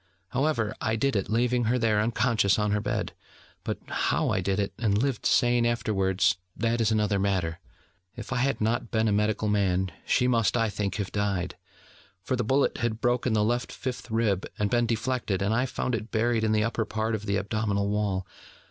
However, I did it, leaving her there unconscious on her bed: but how I did it, and lived sane afterwards, that is another matter. If I had not been a medical man, she must, I think, have died: for the bullet had broken the left fifth rib, had been deflected, and I found it buried in the upper part of the abdominal wall.